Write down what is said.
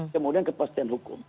kemudian kepastian hukum